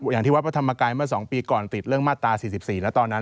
อย่างที่วัดพระธรรมกายเมื่อ๒ปีก่อนติดเรื่องมาตรา๔๔แล้วตอนนั้น